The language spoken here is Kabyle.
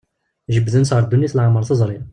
Jebbden-tt ɣer ddunit leɛmer teẓri.